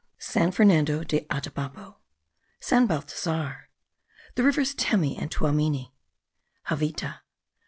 SAN FERNANDO DE ATABAPO. SAN BALTHASAR. THE RIVERS TEMI AND TUAMINI. JAVITA.